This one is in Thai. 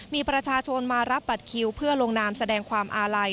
มีประชาชนมารับบัตรคิวเพื่อลงนามแสดงความอาลัย